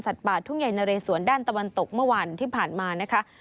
ป่าทุ่งใหญ่นะเรสวนด้านตะวันตกเมื่อวันที่ผ่านมานะคะ